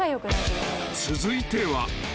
［続いては］